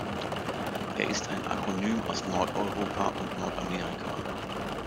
Er ist ein Akronym aus Nordeuropa und Nordamerika.